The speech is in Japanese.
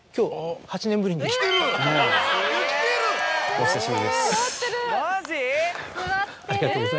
お久しぶりです。